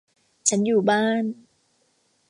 ฉันอยู่บ้าน